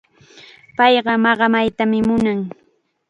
Payqa maqamaytam munan.